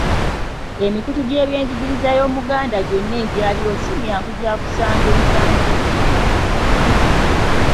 Emikutu gy’ebyenjigiriza y’Omuganda gyonna egyaliwo si myangu gya kusanga ensangi zino.